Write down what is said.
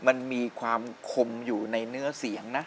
มันมีความคมอยู่ในเนื้อเสียงนะ